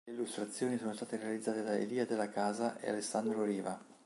Le illustrazioni sono state realizzate da Elia Dalla Casa e Alessandro Riva.